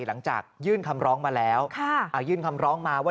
หลังจากยื่นคำร้องมาแล้วยื่นคำร้องมาว่า